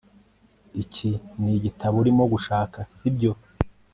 iki nigitabo urimo gushaka, sibyo